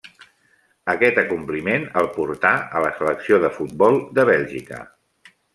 Aquest acompliment el portà a la selecció de futbol de Bèlgica.